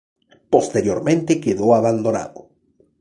Posteriormente quedó abandonado.